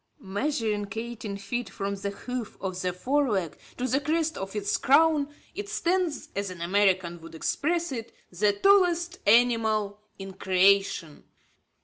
Measuring eighteen feet from the hoof of the fore leg to the crest of its crown, it stands, as an American would express it, "The tallest animal in creation."